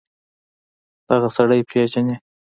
دغه سړى پېژنې.